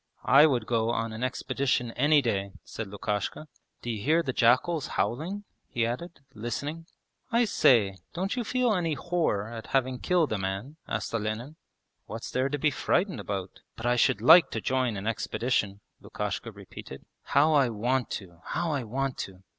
'I would go on an expedition any day,' said Lukashka. 'D'you hear the jackals howling?' he added, listening. 'I say, don't you feel any horror at having killed a man?' asked Olenin. 'What's there to be frightened about? But I should like to join an expedition,' Lukashka repeated. 'How I want to! How I want to!'